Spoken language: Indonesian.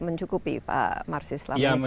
mencukupi pak marsi islam